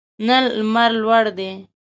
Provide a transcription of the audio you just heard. نن لمر لوړ دی